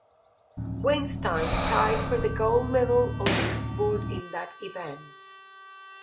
Weinstein tied for the gold medal on his board in that event.